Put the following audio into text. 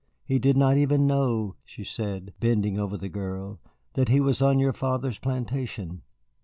He did not even know," she said, bending over the girl, "that he was on your father's plantation.